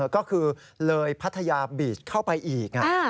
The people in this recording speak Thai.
ก็คือเลยพัทยาบีชเข้าไปอีก